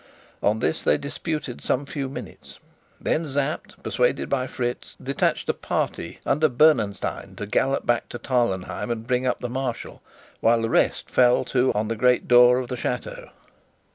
On this they disputed some few minutes; then Sapt, persuaded by Fritz, detached a party under Bernenstein to gallop back to Tarlenheim and bring up the marshal, while the rest fell to on the great door of the chateau.